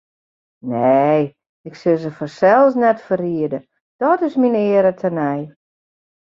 Nee, ik sil se fansels net ferriede, dat is myn eare tenei.